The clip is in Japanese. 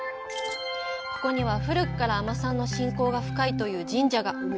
ここには、古くから海女さんの信仰が深いという神社が。